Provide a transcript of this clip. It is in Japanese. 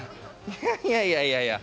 いやいやいやいや。